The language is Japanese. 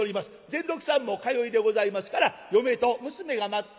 善六さんも通いでございますから嫁と娘が待っております